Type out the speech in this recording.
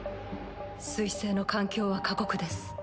水星の環境は過酷です。